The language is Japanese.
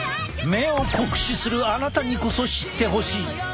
目を酷使するあなたにこそ知ってほしい！